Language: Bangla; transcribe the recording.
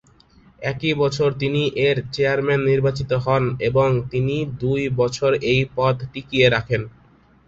একই বছর তিনি এর চেয়ারম্যান নির্বাচিত হন, এবং তিনি দুই বছর এই পদ টিকিয়ে রাখেন।